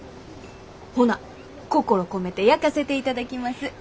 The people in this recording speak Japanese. ほな心込めて焼かせていただきます。